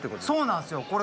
そうなんすよ。